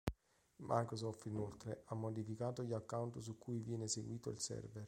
Microsoft, inoltre, ha modificato gli account su cui viene eseguito il server.